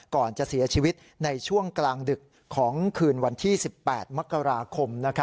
ก่อนจะเสียชีวิตในช่วงกลางดึกของคืนวันที่๑๘มกราคม